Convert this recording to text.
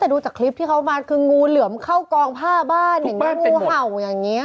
แต่ดูจากคลิปที่เขามาคืองูเหลือมเข้ากองผ้าบ้านอย่างนี้งูเห่าอย่างนี้